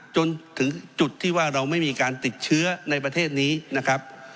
จนถึงจุดที่ว่าเราไม่มีการติดเชื้อในประเทศนี้นะครับ